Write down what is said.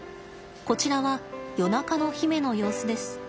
こちらは夜中の媛の様子です。